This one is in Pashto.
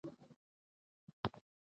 پېیر کوري د څېړنې پایله تایید کړه.